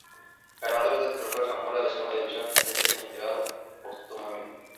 Ganador del trofeo Zamora de segunda división en este año, entregado póstumamente.